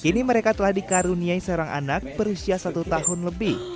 kini mereka telah dikaruniai seorang anak berusia satu tahun lebih